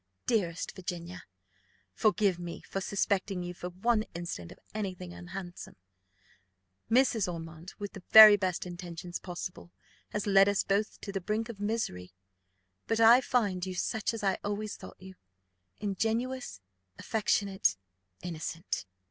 "Dearest Virginia, forgive me for suspecting you for one instant of any thing unhandsome. Mrs. Ormond, with the very best intentions possible, has led us both to the brink of misery. But I find you such as I always thought you, ingenuous, affectionate, innocent."